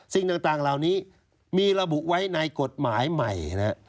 สิ่งต่างเหล่านี้มีระบุไว้ในกฎหมายใหม่นะฮะ